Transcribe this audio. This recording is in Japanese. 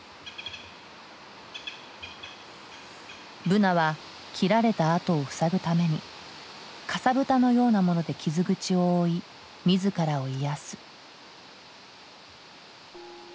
ブナは切られた跡を塞ぐためにかさぶたのようなもので傷口を覆い自らを癒やす。